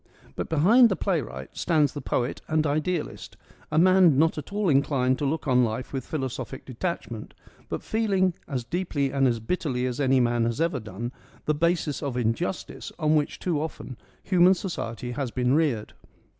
But behind the playwright stands the poet and idealist, a man not at all inclined to look on life with philosophic detachment, but feeling, as deeply and as bit terly as any man has ever done, the basis of injustice on which too often human society has been reared.